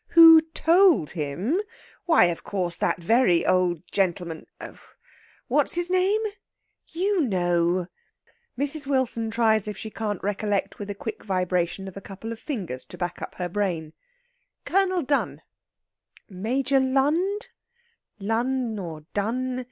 "Who told him? Why, of course that very old gentleman what's his name? you know " Mrs. Wilson tries if she can't recollect with a quick vibration of a couple of fingers to back up her brain. "Colonel Dunn!" "Major Lund?" "Lunn or Dunn.